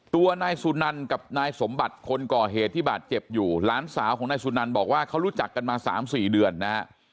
ตัวนายสุนันกับนายสมบัติคนก่อเหตุที่บาดเจ็บอยู่หลานสาวของนายสุนันบอกว่าเขารู้จักกันมาสามสี่เดือนนะฮะ